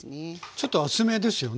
ちょっと厚めですよね？